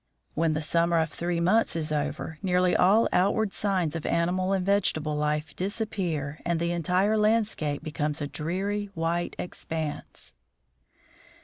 When the summer of three months is over, nearly all outward signs of animal and vegetable life disappear and the entire landscape be comes a dreary, white expanse.